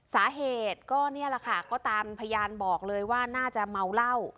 สาเหตุก็นี่แหละค่ะก็ตามพยานบอกเลยว่าน่าจะเมาเหล้า